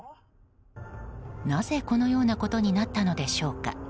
なぜこのようなことになったのでしょうか。